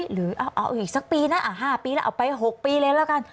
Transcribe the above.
หรือเอาอีกสักปีนะ๕ปีแล้วเอาไป๖ปีเลยแล้วกัน